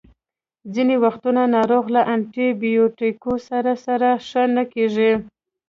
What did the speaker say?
ځینې وختونه ناروغ له انټي بیوټیکو سره سره ښه نه کیږي.